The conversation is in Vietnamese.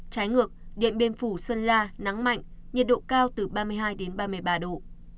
trái ngược điện biên phủ sơn la nắng mạnh nhiệt độ cao từ ba mươi hai đến ba mươi ba độ